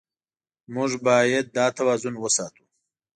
موږ باید دا توازن وساتو.